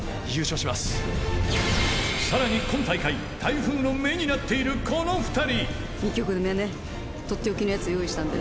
［さらに今大会台風の目になっているこの２人］